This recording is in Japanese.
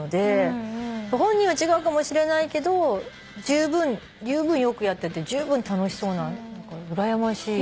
本人は違うかもしれないけどじゅうぶんよくやっててじゅうぶん楽しそうなのがうらやましい。